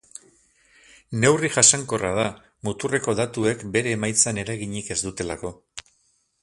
Neurri jasankorra da, muturreko datuek bere emaitzan eraginik ez dutelako.